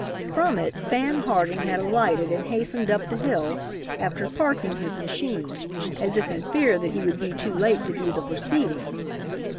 From it Fan Harding had alighted and hastened up the hill, after "parking" his machine, as if in fear that he would be too late to view the proceedings.